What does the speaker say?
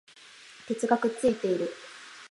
鉄がくっついている